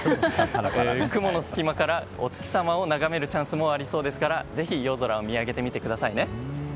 雲の隙間からお月様を眺めるチャンスもありそうですからぜひ夜空を見上げてみてくださいね。